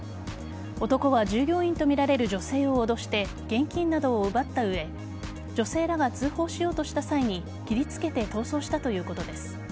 男は従業員とみられる女性を脅して現金などを奪った上女性らが通報しようとした際に切りつけて逃走したということです。